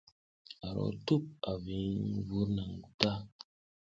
Aro tup a viŋ vur naŋ guta.